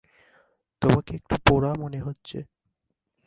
তোমাকে একটু পোড়া মনে হচ্ছে।